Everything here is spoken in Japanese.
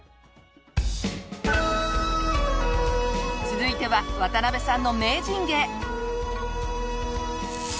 続いては渡邉さんの名人芸。